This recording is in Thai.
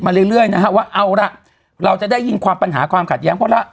เรื่อยนะฮะว่าเอาล่ะเราจะได้ยินความปัญหาความขัดแย้งเพราะ